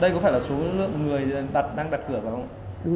đây có phải là số lượng người đang đặt cửa vào không ạ